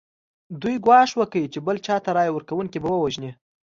دوی ګواښ وکړ چې بل چا ته رایه ورکونکي به ووژني.